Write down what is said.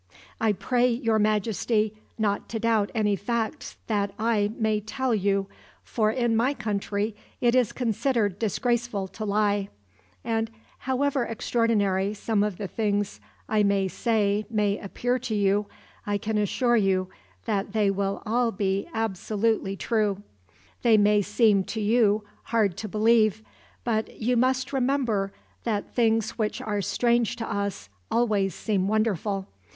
"I pray your Majesty not to doubt any facts that I may tell you, for in my country it is considered disgraceful to lie; and however extraordinary some of the things I may say may appear to you, I can assure you that they will all be absolutely true. They may seem to you hard to believe, but you must remember that things which are strange to us always seem wonderful.